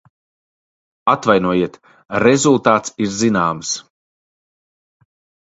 Atvainojiet, rezultāts ir zināms.